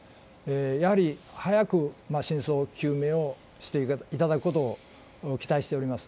やはり早く真相の究明をしていただくことを期待しております。